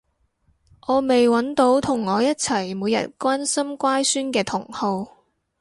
我未搵到同我一齊每日關心乖孫嘅同好